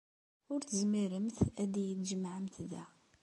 Ur tezmiremt ad iyi-tjemɛemt da.